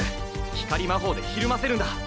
光まほうでひるませるんだ。